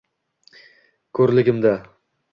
Ko’rligimda